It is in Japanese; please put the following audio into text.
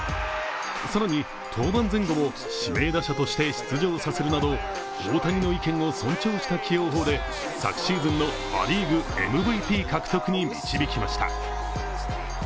更に、登板前後も指名打者として出場させるなど大谷の意見を尊重した起用法で、昨シーズンのア・リーグＭＶＰ獲得に導きました。